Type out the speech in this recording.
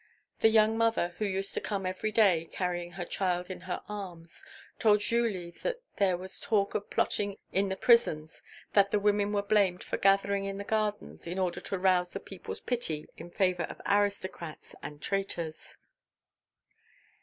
The young mother, who used to come every day, carrying her child in her arms, told Julie that there was talk of plotting in the prisons and that the women were blamed for gathering in the gardens in order to rouse the people's pity in favour of aristocrats and traitors.